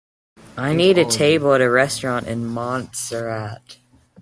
I need a table at a restaurant in Montserrat